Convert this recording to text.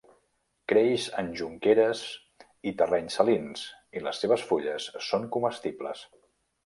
Creix en jonqueres i terrenys salins i les seves fulles són comestibles.